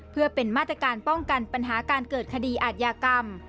เพื่อเป็นมาตรการป้องกันปัญหาการเกิดคดีอาทยากรรม